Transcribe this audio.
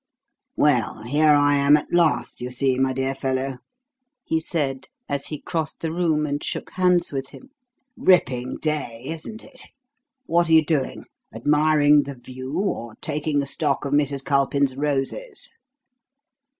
"Well, here I am at last, you see, my dear fellow," he said, as he crossed the room and shook hands with him. "Ripping day, isn't it? What are you doing? Admiring the view or taking stock of Mrs. Culpin's roses?"